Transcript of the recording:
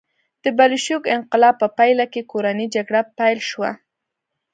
د بلشویک انقلاب په پایله کې کورنۍ جګړه پیل شوه